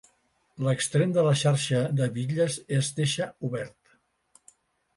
L'extrem de la xarxa de bitlles es deixa obert.